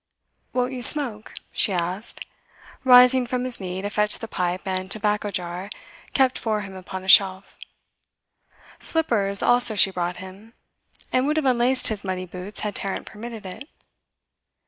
'Won't you smoke?' she asked, rising from his knee to fetch the pipe and tobacco jar kept for him upon a shelf. Slippers also she brought him, and would have unlaced his muddy boots had Tarrant permitted it.